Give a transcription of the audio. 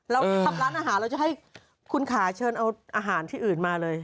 เราทำร้านอาหารเราจะให้คุณขาเชิญเอาอาหารที่อื่นมาเลย